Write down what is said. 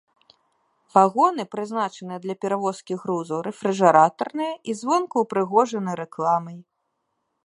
Вагоны, прызначаныя для перавозкі грузу, рэфрыжэратарныя і звонку ўпрыгожаны рэкламай.